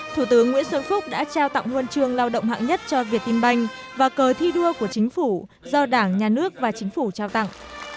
thủ tướng nguyễn xuân phúc đã trao tặng huân chương lao động hạng nhất cho việt tinh banh và cờ thi đua của chính phủ do đảng nhà nước và chính phủ trao tặng